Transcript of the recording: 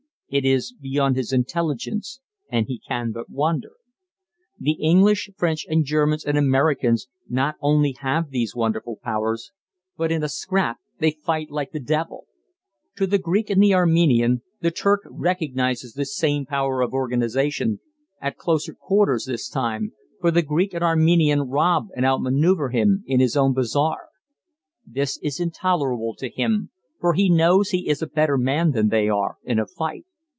It is beyond his intelligence, and he can but wonder. The English, French, Germans, and Americans not only have these wonderful powers, but in a scrap they fight like the devil. In the Greek and the Armenian the Turk recognizes this same power of organization, at closer quarters this time, for the Greek and Armenian rob and out manoeuvre him in his own bazaar. This is intolerable to him, for he knows he is a better man than they are in a fight.